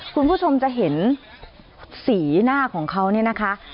คุณผู้ชมจะเห็นสีหน้าของเขาเนี่ยนะคะ